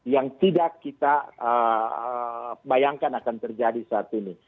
yang tidak kita bayangkan akan terjadi saat ini